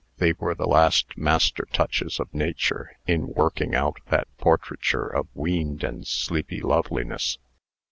They were the last master touches of Nature in working out that portraiture of weaned and sleepy loveliness.